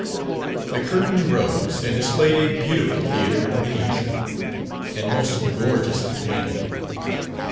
The curtain rose and displayed a beautiful theatre in miniature, and most gorgeously painted.